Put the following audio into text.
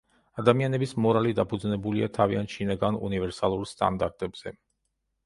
ადამიანების მორალი დაფუძნებულია თავიანთ შინაგან უნივერსალურ სტანდარტებზე.